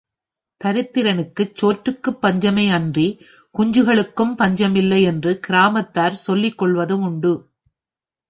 தரித்திரனுக்குச் சோற்றுக்குப் பஞ்சமே அன்றி, குஞ்சுகளுக்குப் பஞ்சமில்லை என்று கிராமத்தார் சொல்லிக் கொள்ளுவது உண்டு.